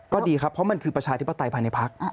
ก็ดีครับเพราะมันคือประชาธิปไตยภายในพัก